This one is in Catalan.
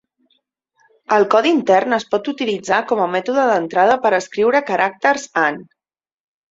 El codi intern es pot utilitzar com a mètode d'entrada per escriure caràcters Han.